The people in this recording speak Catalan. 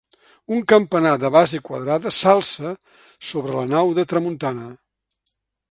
Un campanar de base quadrada s'alça sobre la nau de tramuntana.